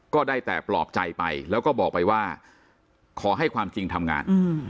ก็ได้แต่ปลอบใจไปแล้วก็บอกไปว่าขอให้ความจริงทำงาน